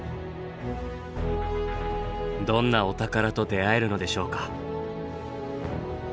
どんなお宝と出会えるのでしょうか。